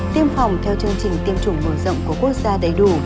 tiêm phòng theo chương trình tiêm chủng mở rộng của quốc gia đầy đủ